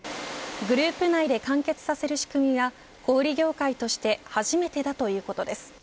グループ内で完結させる仕組みは小売り業界として初めてだということです。